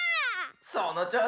そのちょうし！